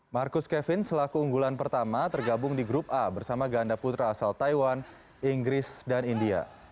marcus kevin selaku unggulan pertama tergabung di grup a bersama ganda putra asal taiwan inggris dan india